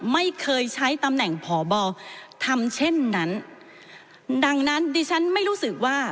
ไม่เคยใช้ตำแหน่งพบทำเช่นนั้นดังนั้นดิฉันไม่รู้สึกว่า